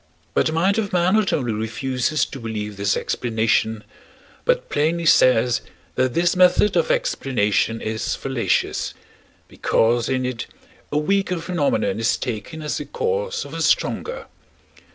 But the mind of man not only refuses to believe this explanation, but plainly says that this method of explanation is fallacious, because in it a weaker phenomenon is taken as the cause of a stronger.